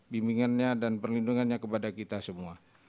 bimbingannya dan perlindungannya kepada kita semua